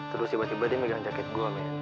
terus tiba tiba dia megang jaket gue